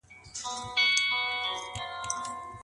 مرکزي کتابتون سمدلاسه نه تطبیقیږي.